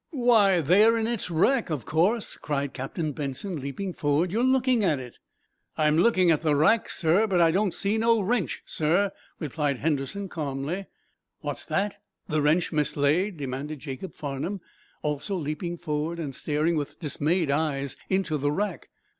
"Why, there in its rack, of course," cried Captain Benson, leaping forward. "You're looking at it." "I'm looking at the rack, sir, but I don't see no wrench, sir," replied Henderson, calmly. "What's that? The wrench mislaid?" demanded Jacob Farnum, also leaping forward and staring with dismayed eyes into the rack.